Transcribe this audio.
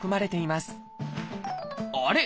あれ？